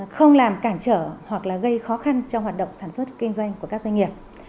không làm cản trở hoặc gây khó khăn trong hoạt động sản xuất kinh doanh của các doanh nghiệp